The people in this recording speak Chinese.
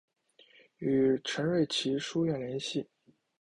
与陈瑞祺书院联系。